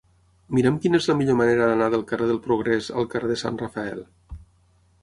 Mira'm quina és la millor manera d'anar del carrer del Progrés al carrer de Sant Rafael.